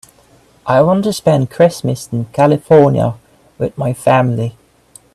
I want to spend Christmas in California with my family.